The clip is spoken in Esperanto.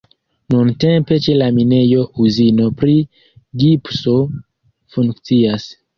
Nuntempe ĉe la minejo uzino pri gipso funkcias.